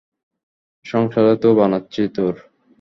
সংসারই তো বানাচ্ছি তোর।